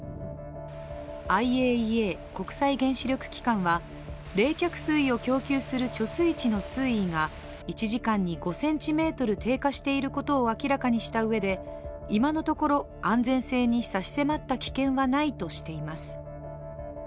ＩＡＥＡ＝国際原子力機関は冷却水を供給する貯水池の水位が１時間に５ｃｍ低下していることを明らかにしたうえで今のところ、安全性に差し迫った危険はないとしています。